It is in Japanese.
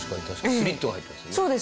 スリットが入ってますね。